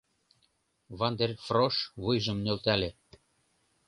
Ван дер Фрош вуйжым нӧлтале.